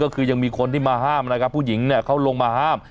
ก็คือยังมีคนที่มาห้ามนะครับผู้หญิงเนี่ยเขาลงมาห้าม